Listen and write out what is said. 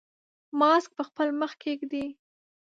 ماسک په خپل مخ کېږدئ.